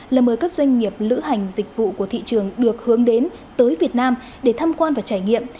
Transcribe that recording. là mời các doanh nghiệp lữ hành dịch vụ của thị trường được hướng đến tới việt nam để tham quan và trải nghiệm